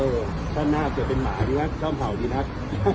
เออช่างหน้าเกิดเป็นหมาดีนักชอบเห่าดีนัก